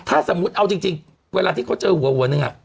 ถ้าสมมุติเอาจริงเวลาที่เขาเจอหัวนึง